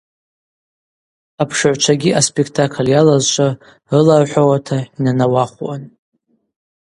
Апшыгӏвчвагьи аспектакль йалазшва рылархӏвауата йнанауахвуан.